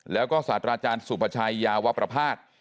แล้วก็ศาสตราจารย์สุปชัยยาวประพาท